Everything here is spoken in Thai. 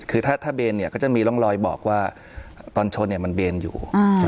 คือถ้าเบนเนี่ยก็จะมีร่องรอยบอกว่าตอนชนมันเบนอยู่